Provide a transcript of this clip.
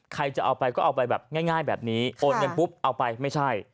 ใครจะเอาไปก็เอาไปแบบง่ายแบบนี้โอนเงินปุ๊บเอาไปไม่ใช่